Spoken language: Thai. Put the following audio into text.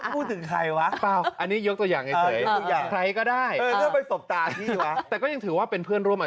พูดถึงใครวะ